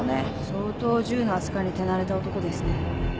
相当銃の扱いに手慣れた男ですね。